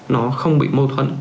nó không bị mâu thuẫn